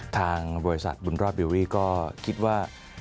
ทางบริษัทบุญรอบดิวรี่ก็คิดว่า